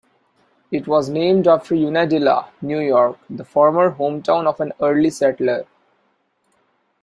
It was named after Unadilla, New York, the former hometown of an early settler.